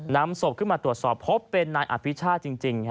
นำศพขึ้นมาตรวจสอบพบเป็นนายอภิชาติจริง